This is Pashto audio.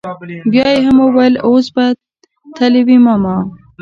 بيا يې هم وويل اوس به تلي وي ماما.